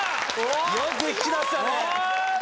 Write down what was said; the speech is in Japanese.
よく引き出したね。